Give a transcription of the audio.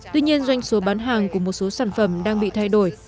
tuy nhiên doanh số bán hàng của một số sản phẩm đang bị thay đổi